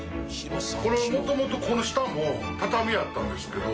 これはもともとこの下も畳やったんですけど。